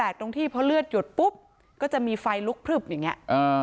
แต่ตรงที่พอเลือดหยดปุ๊บก็จะมีไฟลุกพลึบอย่างนี้